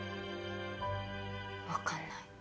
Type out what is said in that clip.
分かんない。